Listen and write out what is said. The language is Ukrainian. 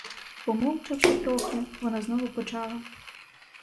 Помовчавши трохи, вона знову почала.